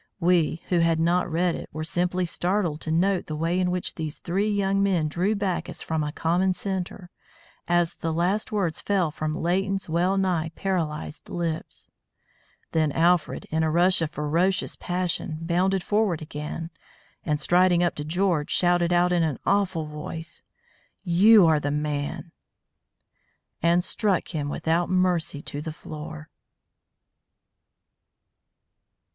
We, who had not read it, were simply startled to note the way in which these three young men drew back as from a common centre, as the last words fell from Leighton's well nigh paralysed lips. Then Alfred, in a rush of ferocious passion, bounded forward again, and striding up to George, shouted out in an awful voice, "You are the man!" and struck him without mercy to the floor.